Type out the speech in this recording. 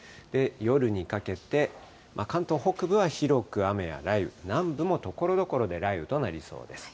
夜にかけて、関東北部は広く雨や雷雨、南部もところどころで雷雨となりそうです。